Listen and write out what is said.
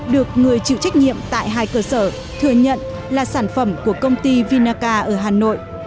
được người chịu trách nhiệm tại hai cơ sở thừa nhận là sản phẩm của công ty vinaca ở hà nội